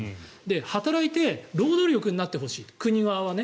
働いて労働力になってほしいと国側はね。